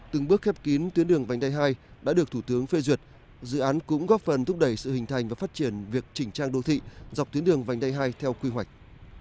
từng bước khép kín tuyến đường vành đai hai đã được thủ tướng phê duyệt dự án cũng góp phần thúc đẩy sự hình thành và phát triển việc chỉnh trang đô thị dọc tuyến đường vành đai hai theo quy hoạch